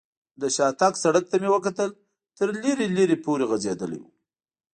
د شاتګ سړک ته مې وکتل، تر لرې لرې پورې غځېدلی و.